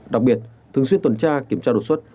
đặc biệt thường xuyên tuần tra kiểm tra đột xuất